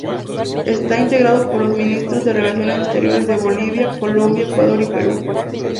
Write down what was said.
Está integrado por los Ministros de Relaciones Exteriores de Bolivia, Colombia, Ecuador y Perú.